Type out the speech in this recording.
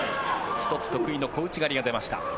１つ得意の小内刈りが出ました。